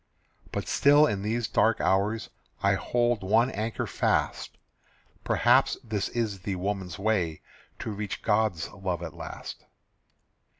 But still in these dark hours I hold one anchor fast: Perhaps this is the woman's way To reach God's love at last.